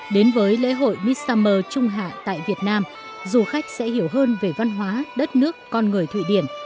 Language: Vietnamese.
đến với lễ hội miss summer trung hạ tại việt nam du khách sẽ hiểu hơn về văn hóa đất nước con người thụy điển